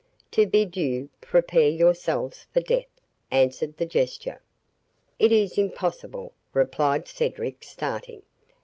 "To bid you prepare yourselves for death," answered the Jester. "It is impossible!" replied Cedric, starting.